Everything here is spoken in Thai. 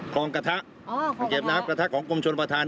คลองกระทะอ่างเก็บน้ำกระทะของกรมชนประธาน